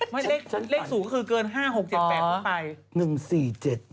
ไม่เลขสูงก็คือเกิน๕๖๗๘ก็ไปอ๋อ